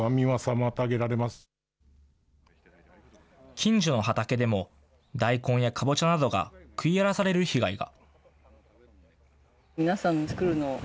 近所の畑でも、大根やかぼちゃなどが食い荒らされる被害が。